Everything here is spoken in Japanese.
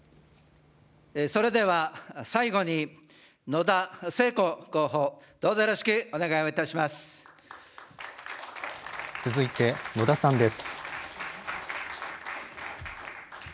それでは最後に、野田聖子候補、どうぞよろしくお願いをいた続いて、野田さんです。